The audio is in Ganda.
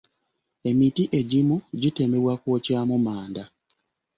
Emiti egimu gitemebwa kwokyamu manda.